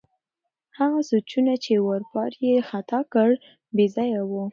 هغه سوچونه چې واروپار یې ختا کړ، بې ځایه وو.